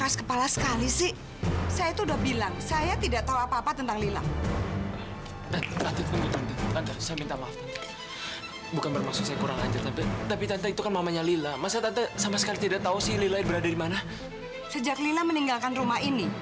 sampai jumpa di video selanjutnya